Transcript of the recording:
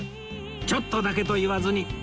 ちょっとだけと言わずに！